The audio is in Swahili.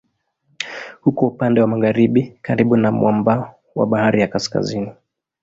Uko upande wa magharibi karibu na mwambao wa Bahari ya Kaskazini.